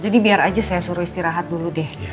jadi biar aja saya suruh istirahat dulu deh